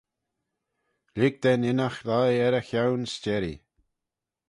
Lhig da'n innagh lhie er y chione s'jerree